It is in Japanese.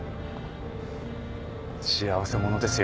幸せ者ですよ。